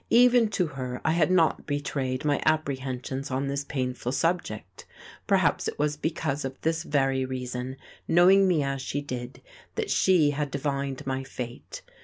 Even to her I had not betrayed my apprehensions on this painful subject. Perhaps it was because of this very reason, knowing me as she did, that she had divined my fate.